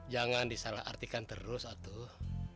jangan disalah artikan terus atau